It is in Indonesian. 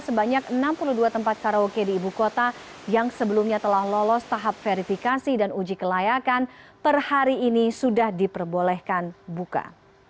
sebanyak enam puluh dua tempat karaoke di ibu kota yang sebelumnya telah lolos tahap verifikasi dan uji kelayakan per hari ini sudah diperbolehkan buka